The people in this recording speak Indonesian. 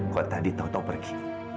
kau tadi tau tau pergi